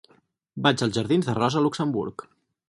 Vaig als jardins de Rosa Luxemburg.